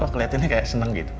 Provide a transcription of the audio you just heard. oh kelihatannya kayak seneng gitu